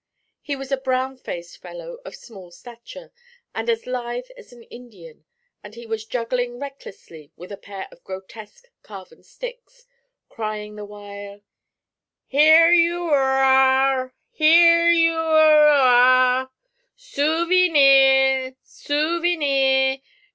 He was a brown faced fellow of small stature and as lithe as an Indian, and he was juggling recklessly with a pair of grotesque carven sticks, crying the while: 'He ur you ur ur! He ur you ur ur! Soo vy neer! Soo vy neer!